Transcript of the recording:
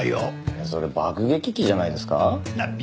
いやそれ爆撃機じゃないですか？